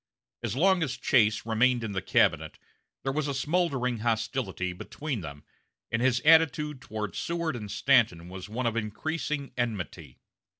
As long as Chase remained in the cabinet there was smoldering hostility between them, and his attitude toward Seward and Stanton was one of increasing enmity.